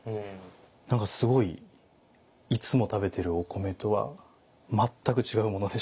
何かすごいいつも食べてるお米とは全く違うものでした。